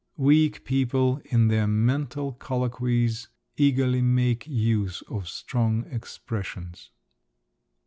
… Weak people in their mental colloquies, eagerly make use of strong expressions.